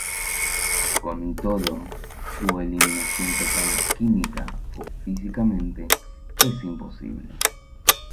Con todo, su eliminación total química o físicamente es imposible.